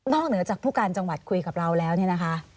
เหนือจากผู้การจังหวัดคุยกับเราแล้วเนี่ยนะคะ